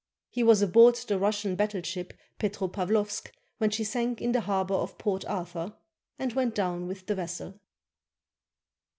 He was aboard the Russian battleship Petropavlovsk when she sank in the harbor of Port Arthur, and went down with the vessel.